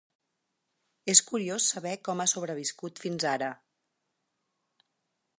És curiós saber com ha sobreviscut fins ara.